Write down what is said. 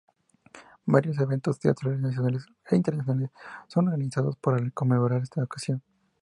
Varios eventos teatrales nacionales e internacionales son organizados para conmemorar esta ocasión.